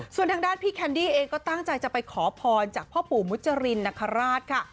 ส่วนทางด้านพี่แคนดี้เองก็ตั้งใจจะไปขอพรจากพ่อปู่มุจรินนคราชค่ะ